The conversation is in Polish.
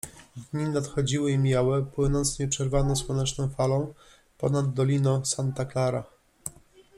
Dni nadchodziły i mijały, płynąc nieprzerwaną słoneczną falą ponad doliną Santa Clara.